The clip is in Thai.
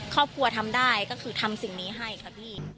ครอบครัวทำได้ก็คือทำสิ่งนี้ให้ค่ะพี่